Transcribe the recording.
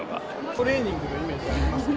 トレーニングのイメージありますか？